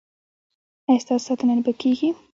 ایا ستاسو ساتنه به کیږي؟